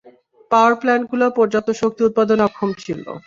পাওয়ার প্ল্যান্টগুলো পর্যাপ্ত শক্তি উৎপাদনে অক্ষম ছিল।